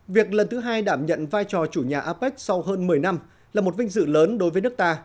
việc lần thứ hai đảm nhận vai trò chủ nhà apec sau hơn một mươi năm là một vinh dự lớn đối với nước ta